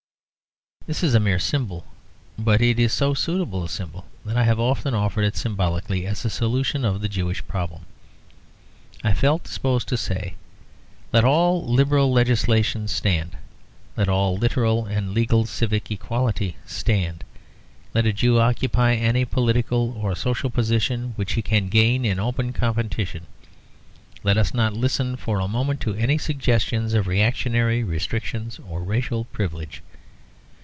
This is a mere symbol, but it is so suitable a symbol that I have often offered it symbolically as a solution of the Jewish problem. I have felt disposed to say: let all liberal legislation stand, let all literal and legal civic equality stand; let a Jew occupy any political or social position which he can gain in open competition; let us not listen for a moment to any suggestions of reactionary restrictions or racial privilege.